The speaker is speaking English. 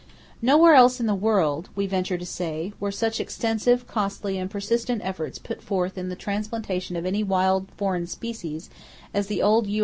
Nowhere else in the world, we venture to say, were such extensive, costly and persistent efforts put forth in the transplantation of any wild foreign species as the old U.